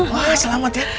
wah selamat ya